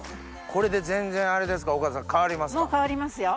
これで全然あれですか岡田さん変わりますか？